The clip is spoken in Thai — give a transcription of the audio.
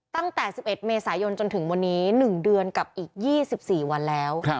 ตั้งแต่๑๑เมษายนจนถึงวันนี้๑เดือนกับอีก๒๔วันแล้ว